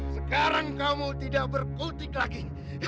sekarang kamu tidak berkotik lagi